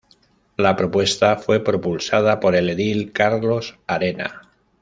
La propuesta fue propulsada por el edil Carlos Arena.